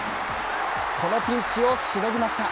このピンチをしのぎました。